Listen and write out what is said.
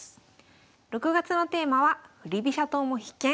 ６月のテーマは「振り飛車党も必見！